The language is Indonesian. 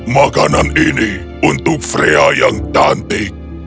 makanan ini untuk frea yang cantik